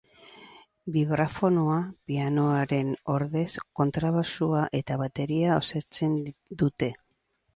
Bibrafonoa, pianoaren ordez, kontrabaxua eta bateria osatzen dute.